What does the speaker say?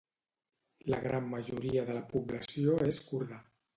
La gran majoria de la població és kurda.